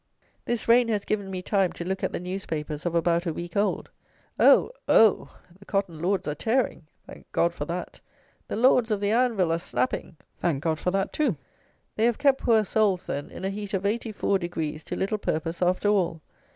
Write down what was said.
This rain has given me time to look at the newspapers of about a week old. Oh, oh! The Cotton Lords are tearing! Thank God for that! The Lords of the Anvil are snapping! Thank God for that too! They have kept poor souls, then, in a heat of 84 degrees to little purpose after all.